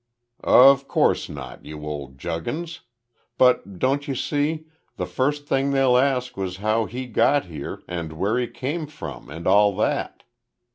"Of course not, you old juggins. But don't you see the first thing they'll ask was how he got here and where he came from, and all that.